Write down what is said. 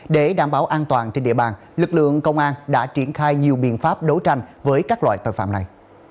để đảm bảo an toàn trên địa bàn lực lượng công an đã triển khai nhiều biện pháp đấu tranh với các loại tội phạm này